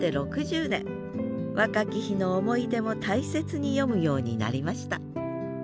若き日の思い出も大切に詠むようになりました